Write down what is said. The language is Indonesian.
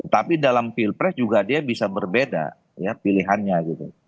tapi dalam pilpres juga dia bisa berbeda ya pilihannya gitu